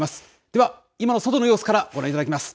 では、今の外の様子からご覧いただきます。